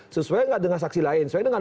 sesuai nggak dengan saksi lain sesuai dengan